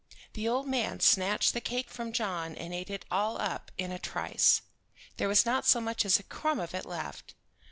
The old man snatched the cake from John and ate it all up in a trice. There was not so much as a crumb of it left.